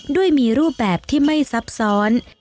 ด้วยมีรูปแบบที่ไม่ซับซ้อน